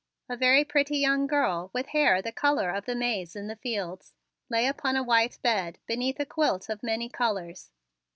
A very pretty young girl, with hair the color of the maize in the fields, lay upon a white bed beneath a quilt of many colors.